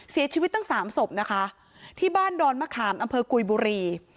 เสียชีวิตตั้งสามศพนะคะที่บ้านดอนมะขามอำเภอกุยบุรี